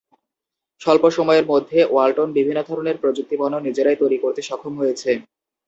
স্বল্প সময়ের মধ্যে ওয়ালটন বিভিন্ন ধরনের প্রযুক্তিপণ্য নিজেরাই তৈরি করতে সক্ষম হয়েছে।